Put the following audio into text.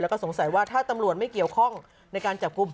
แล้วก็สงสัยว่าถ้าตำรวจไม่เกี่ยวข้องในการจับกลุ่ม